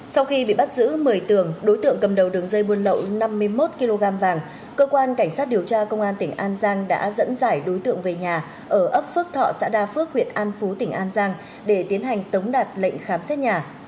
sau khi bị bắt giữ một mươi tường đối tượng cầm đầu đường dây buôn lậu năm mươi một kg vàng cơ quan cảnh sát điều tra công an tỉnh an giang đã dẫn giải đối tượng về nhà ở ấp phước thọ xã đa phước huyện an phú tỉnh an giang để tiến hành tống đạt lệnh khám xét nhà